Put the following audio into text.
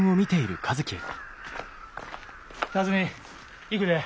辰美行くで。